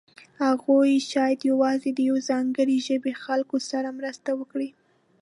هغوی شاید یوازې د یوې ځانګړې ژبې خلکو سره مرسته وکړي.